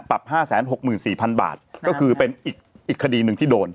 ปรับห้าแสนหกหมื่นสี่พันบาทก็คือเป็นอีกอีกคดีหนึ่งที่โดน